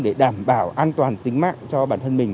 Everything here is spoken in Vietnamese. để đảm bảo an toàn tính mạng cho bản thân mình